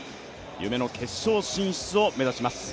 夢の決勝進出を目指します。